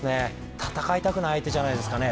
戦いたくない相手じゃないですかね。